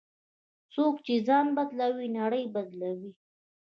څوک چې ځان بدلوي، نړۍ بدلوي.